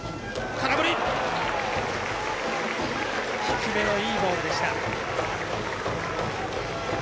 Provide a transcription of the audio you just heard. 低めのいいボールでした。